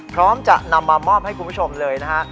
พร้อมจะนำมามอบให้คุณผู้ชมเลยนะฮะ